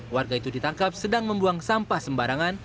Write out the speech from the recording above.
warga itu ditangkap sedang membuang sampah sembarangan